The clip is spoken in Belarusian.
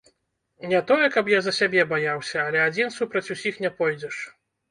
Не тое каб я за сябе баяўся, але адзін супраць усіх не пойдзеш.